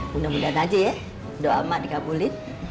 mudah mudahan aja ya doa mak dikabulin